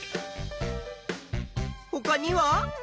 ほかには？